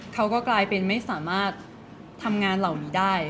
เขาก็กลายเป็นไม่สามารถทำงานเหล่านี้ได้